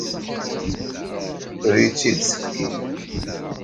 Ula d tabexsist ur iyi-tt-id-tefki.